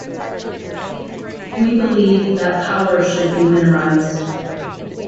We believe that power should be minimized.